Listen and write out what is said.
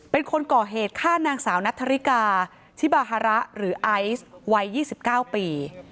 เป็นคนก่อเหตุฆ่านางสาวนัทธริกาชิบาฮาระหรือไอซ์วัย๒๙ปี